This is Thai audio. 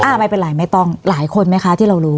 อ้างอิงเป็นหลายคนไหมคะที่เรารู้